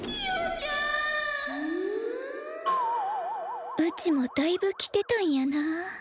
心の声うちもだいぶきてたんやな。